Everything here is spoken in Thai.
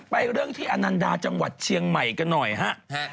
เรื่องที่อนันดาจังหวัดเชียงใหม่กันหน่อยฮะ